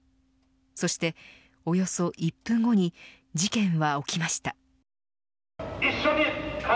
そして、およそ１分後に事件は起きました。